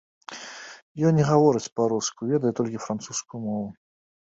Ён не гаворыць па-руску, ведае толькі французскую мову.